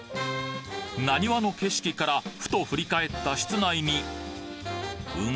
ナニワの景色からふと振り返った室内にん？